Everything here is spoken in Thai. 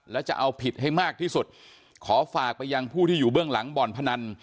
และจะเอาผิดให้มากที่สุดขอฝากไปยังผู้ที่อยู่เบื้องหลังบ่อนพนัน